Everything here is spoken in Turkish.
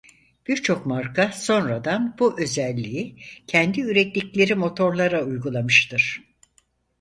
Birçok marka sonradan bu özelliği kendi ürettikleri motorlara uygulamıştır.